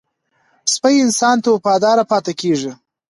سپي انسان ته وفاداره پاتې کېږي.